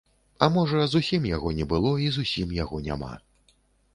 А можа, зусім яго не было, і зусім яго няма.